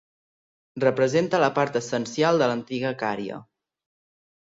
Representa la part essencial de l'antiga Cària.